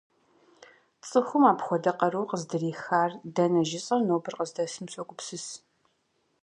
ЦӀыхум апхуэдэ къару къыздрихар дэнэ жысӀэу, нобэр къыздэсым согупсыс.